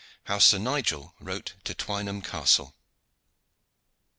HOW SIR NIGEL WROTE TO TWYNHAM CASTLE.